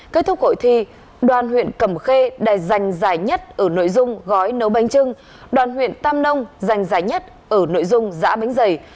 kết thúc hội thi đoàn huyện cầm khê đài dành dài nhất ở nội dung gói nấu bánh trưng đoàn huyện tam nông dành dài nhất ở nội dung giã bánh dày